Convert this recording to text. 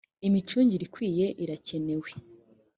imicungire ikwiye iracyenewe.